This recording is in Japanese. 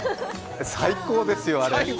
最高ですよ、あれ。